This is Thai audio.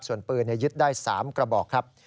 ส่วนปืนยึดได้๓กระบอกครับ